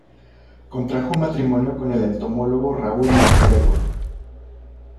Contrajo matrimonio con el entomólogo Raúl MacGregor.